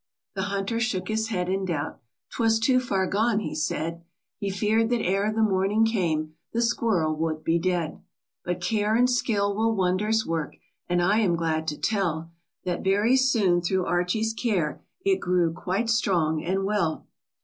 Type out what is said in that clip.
The hunter shook his head in doubt; "Twas too far gone," he said, He fear'd that ere the morning came The squirrel would be dead. 123 But care and skill will wonders work And I am glad to tell, That very soon through Archie's care, It grew quite strong and well.